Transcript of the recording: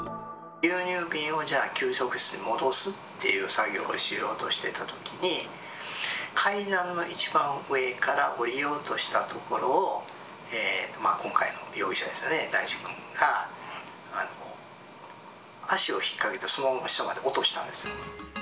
牛乳瓶をじゃあ、給食室に戻すっていう作業をしようとしてたときに、階段の一番上から下りようとしたところを、今回の容疑者ですかね、大地君が、足を引っかけて、そのまま下まで落としたんですよ。